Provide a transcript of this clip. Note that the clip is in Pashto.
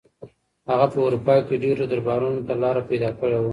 هغه په اروپا کې ډېرو دربارونو ته لاره پیدا کړې وه.